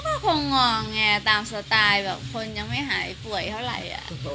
ก็คงงไงตามสไตล์แบบคนยังไม่หายป่วยเท่าไหร่